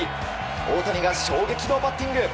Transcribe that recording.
大谷が衝撃のバッティング。